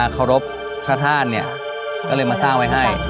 ก็เลยมาสร้างไว้ให้